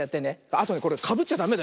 あとねこれかぶっちゃダメだよ